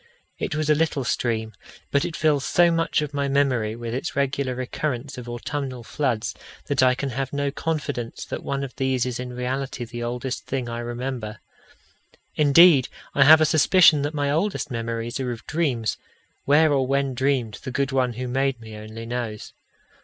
It was a little stream, but it fills so much of my memory with its regular recurrence of autumnal floods, that I can have no confidence that one of these is in reality the oldest thing I remember. Indeed, I have a suspicion that my oldest memories are of dreams, where or when dreamed, the good One who made me only knows.